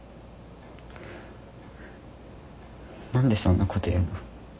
何でそんなこと言うの？